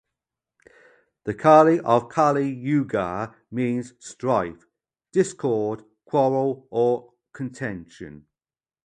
The "Kali" of Kali Yuga means "strife", "discord", "quarrel" or "contention".